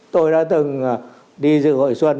tôi đã từng đi dự hội xuân